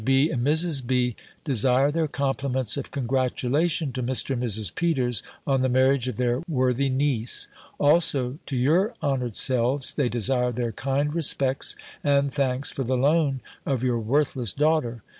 B. and Mrs. B, desire their compliments of congratulation to Mr. and Mrs. Peters, on the marriage of their worthy niece; also to your honoured selves they desire their kind respects and thanks for the loan of your worthless daughter.